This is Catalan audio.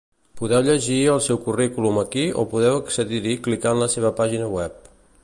Podeu llegir el seu currículum aquí o podeu accedir-hi clicant la seva pàgina web.